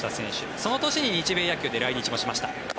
その年に日米野球で来日もしました。